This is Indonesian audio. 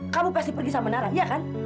kamu pasti pergi sama menara ya kan